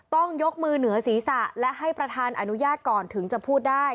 ต้องยกมือเหนือศีรษะและให้ประธานอนุญาตก่อนถึงจะพูดได้